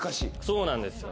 そうなんですよ。